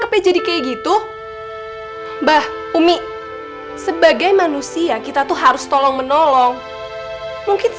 biar dia kasih kesempatan bertobat